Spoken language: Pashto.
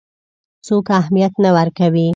څوک اهمیت نه ورکوي.